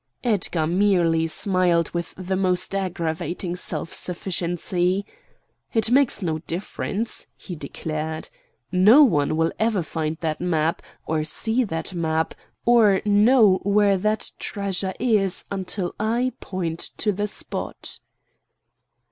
Edgar merely smiled with the most aggravating self sufficiency. "It makes no difference," he declared. "No one will ever find that map, or see that map, or know where that treasure is, until I point to the spot."